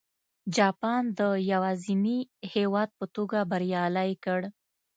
جاپان د یوازیني هېواد په توګه بریالی کړ.